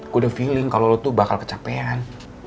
gue udah feeling kalau lo tuh bakal kecapean